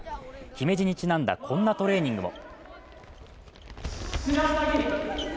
姫路にちなんだ、こんなトレーニングも。